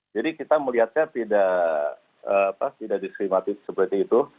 jadi kita melihatnya tidak diserimati seperti itu